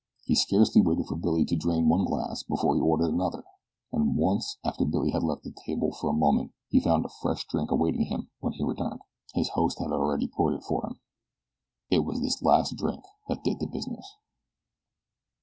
He scarcely waited for Billy to drain one glass before he ordered another, and once after Billy had left the table for a moment he found a fresh drink awaiting him when he returned his host had already poured it for him. It was this last drink that did the business.